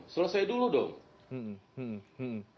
selesai dulu dong